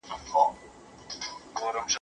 زه بايد درس ولولم؟!